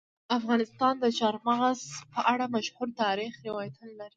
افغانستان د چار مغز په اړه مشهور تاریخی روایتونه لري.